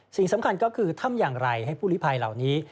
สิ่งสำคัญก็คือทำอย่างไรให้ผู้ลิภัยเหล่านี้